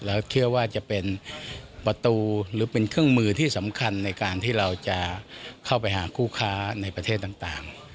แล้วเชื่อว่าจะเป็นประตูหรือเป็นเครื่องมือที่สำคัญในการที่เราจะเข้าไปหาคู่ค้าในประเทศต่าง